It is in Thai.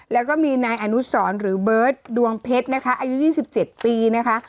แล้วก็มีนายอนุสรหรือเบิร์ตดวงเพชรนะคะอายุ๒๗ปีนะคะ